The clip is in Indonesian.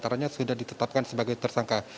karena sudah ditetapkan sebagai tersangka